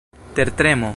tertremo